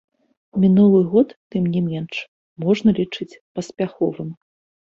Мінулы год, тым не менш, можна лічыць паспяховым.